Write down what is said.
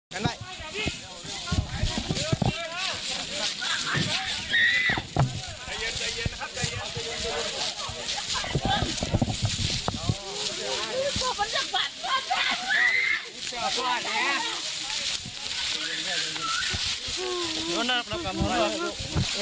จถไม่พันจัดการเอง